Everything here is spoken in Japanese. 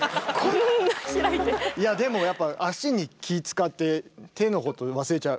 いやでもやっぱ足に気ぃ遣って手のこと忘れちゃう。